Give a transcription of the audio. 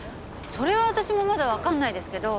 それは私もまだわかんないですけど。